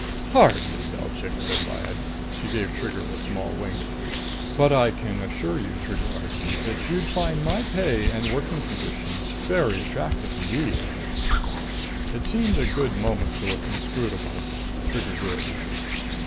"Hardly, Belchik!" said Lyad. She gave Trigger a small wink. "But I can assure you, Trigger Argee, that you'd find my pay and working conditions very attractive indeed." It seemed a good moment to look inscrutable. Trigger did.